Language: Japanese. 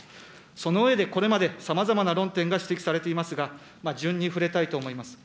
その上で、これまでさまざまな論点が指摘されていますが、順に触れたいと思います。